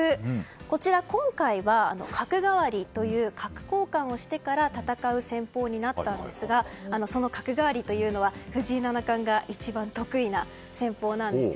こちら、今回は角換わりという角交換をしてから戦う戦法になったんですがその角換わりというのは藤井七冠が一番得意な戦法なんです。